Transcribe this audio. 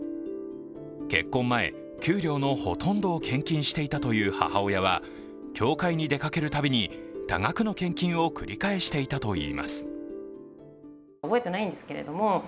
結婚前、給料のほとんどを献金していたという母親は教会に出かけるたびに多額の献金を繰り返していたといいます。